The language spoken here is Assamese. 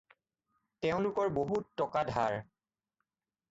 তেওঁলোকৰ বহুত টকা ধাৰ।